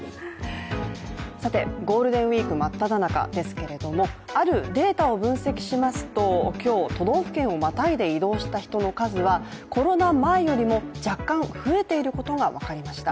ゴールデンウイーク真っただ中ですけれども、あるデータを分析しますと今日、都道府県をまたいで移動した人の数は、コロナ前よりも若干増えていることが分かりました。